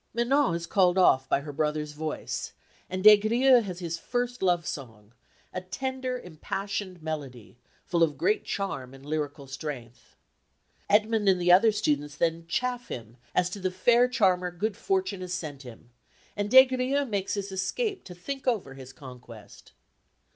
Manon is called off by her brother's voice, and Des Grieux has his first love song, a tender impassioned melody full of great charm and lyrical strength. Edmund and the other students then chaff him as to the fair charmer good fortune has sent him, and Des Grieux makes his escape to think over his conquest.